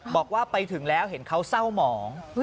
บอกว่าไปถึงแล้วเห็นเขาเศร้าหมอง